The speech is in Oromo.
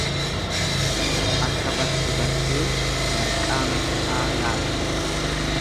Akka barte bartee marqaa matta'aa laatte.